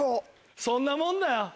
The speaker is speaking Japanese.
そんなもんだよ。